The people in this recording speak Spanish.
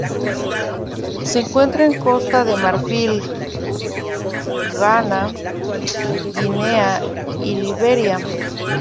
Se encuentra en Costa de Marfil, Ghana, Guinea y Liberia.